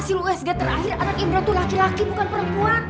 hasil usg terakhir anak indra itu laki laki bukan perempuan